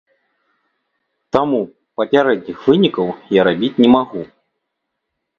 Таму папярэдніх вынікаў я рабіць не магу.